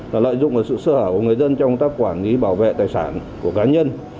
và lợi dụng sự sơ hở của người dân trong công tác quản lý bảo vệ tài sản của cá nhân